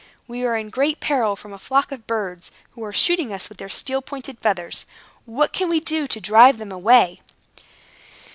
We are in great peril from a flock of birds, who are shooting us with their steel pointed feathers. What can we do to drive them away?"